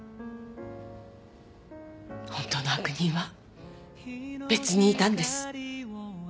本当の悪人は別にいたんです。